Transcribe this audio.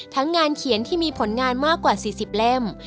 งานเขียนที่มีผลงานมากกว่า๔๐เล่ม